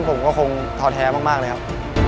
ผมก็คงท้อแท้มากเลยครับ